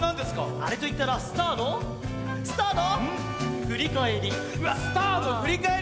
あれといったらスターのスターのふりかえり。